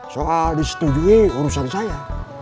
soal disetujui urusan saya